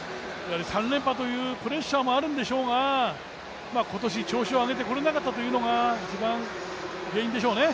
３連覇というプレッシャーもあるんでしょうが今年調子を上げてこれなかったというのが一番の原因でしょうね。